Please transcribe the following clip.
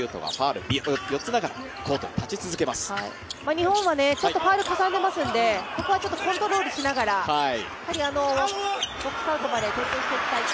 日本はファウルかさんでいますのでここはちょっとコントロールしながらしっかり徹底していきたい。